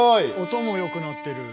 音も良くなってる。